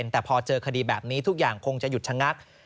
แต่พอเจอคดีแบบนี้ทุกอย่างคงจะหยุดชะงัก